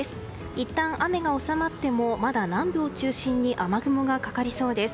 いったん雨が収まってもまだ南部を中心に雨雲がかかりそうです。